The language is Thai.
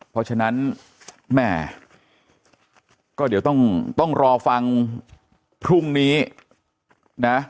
เพราะฉะนั้นแม่ก็เดี๋ยวต้องรอฟังพรุ่งนี้นะ